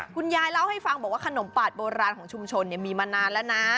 คุณยายเล่าให้ฟังบอกว่าขนมปาดโบราณของชุมชนมีมานานแล้วนะ